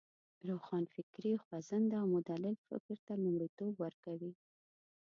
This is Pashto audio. روښانفکري خوځنده او مدلل فکر ته لومړیتوب ورکوی.